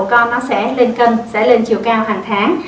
con nó sẽ lên cân sẽ lên chiều cao hàng tháng